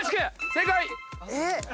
正解！